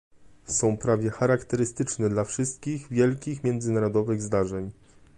Są prawie charakterystyczne dla wszystkich wielkich międzynarodowych zdarzeń